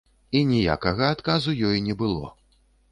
І ніякага адказу ёй не было.